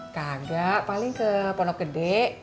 kagak paling ke pondok gede